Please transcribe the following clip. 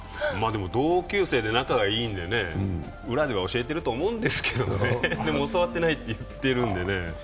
同級生で仲がいいんでね、裏では教えているとは思うんですけどでも教わってないって言ってるんでね。